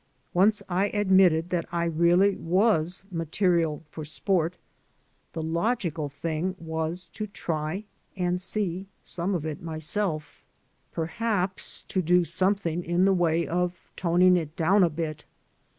Once I admitted that I really was material for sport, the logical thing was to try and see some of it myself. THE FRUITS OF SOLITUDE perhaps to do something in the way of toning it down a bit.